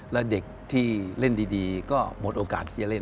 และเด็กที่เล่นดีก็หมดโอกาสที่จะเล่น